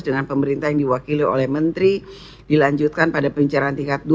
dengan pemerintah yang diwakili oleh menteri dilanjutkan pada pembicaraan tingkat dua